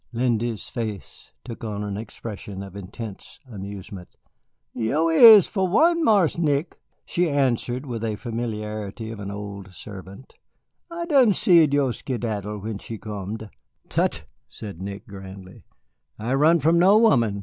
Lindy's face took on an expression of intense amusement. "Yo' is, for one, Marse Nick," she answered, with the familiarity of an old servant. "I done seed yo' skedaddle when she comed." "Tut," said Nick, grandly, "I run from no woman.